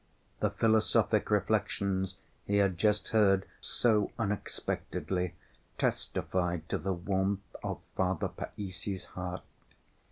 The philosophic reflections he had just heard so unexpectedly testified to the warmth of Father Païssy's heart.